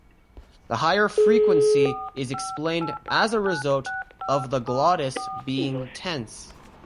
The higher frequency is explained as a result of the glottis being tense.